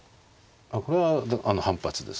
これは反発です。